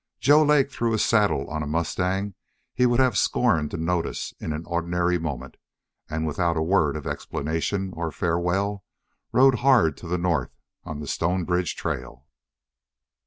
Joe Lake threw a saddle on a mustang he would have scorned to notice in an ordinary moment, and without a word of explanation or farewell rode hard to the north on the Stonebridge trail.